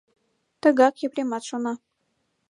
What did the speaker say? Тыгак Епремат шона.